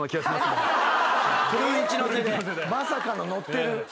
まさかの乗ってる。